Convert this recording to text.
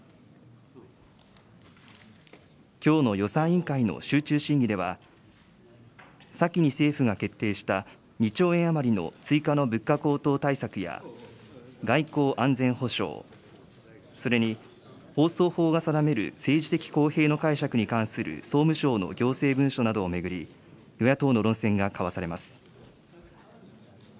きょうの予算委員会の集中審議では、先に政府が決定した２兆円余りの追加の物価高騰対策や、外交・安全保障、それに放送法が定める政治的公平の解釈に関する総務省の行政文書などを巡り、与野党の論戦が交わされます。